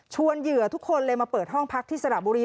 เหยื่อทุกคนเลยมาเปิดห้องพักที่สระบุรี